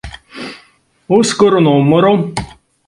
Uz kuru numuru?